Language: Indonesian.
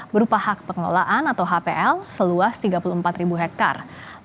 berupa hak pengelolaan atau hpl seluas tiga puluh empat ribu hektare